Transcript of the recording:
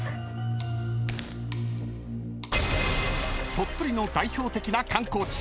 ［鳥取の代表的な観光地］